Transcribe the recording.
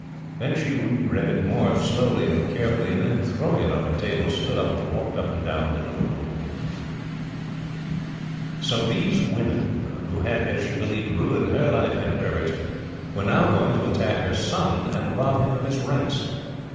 Then she reread it more slowly and carefully, and then throwing it on the table stood up and walked up and down the little room. So these women, who had as she believed ruined her life and Herbert's, were now going to attack her son and rob him of his rights.